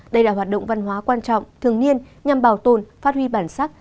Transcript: đây là hoạt động văn hóa quan trọng thường niên nhằm bảo tồn phát huy bản sắc